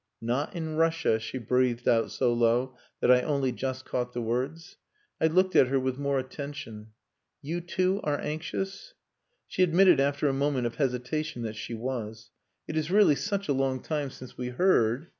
"Not in Russia," she breathed out so low that I only just caught the words. I looked at her with more attention. "You too are anxious?" She admitted after a moment of hesitation that she was. "It is really such a long time since we heard...."